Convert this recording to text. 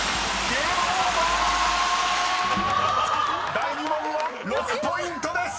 ［第２問は６ポイントです！］